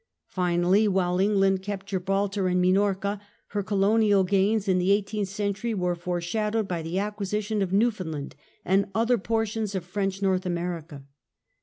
Finally, while England kept Gibraltar and Minorca, her colonial gains in the eighteenth century were foreshadowed by the acquisition of Newfoundland and other portions of French North America.